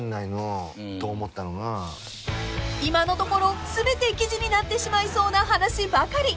［今のところ全て記事になってしまいそうな話ばかり。